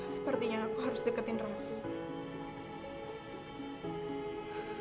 sepertinya aku harus deketin rasul